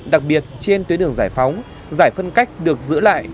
đặc biệt trên tuyến đường giải phóng giải phân cách được giữ lại